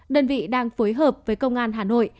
đơn vị đang phối hợp với công an hà nội